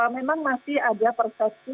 memang masih ada persesi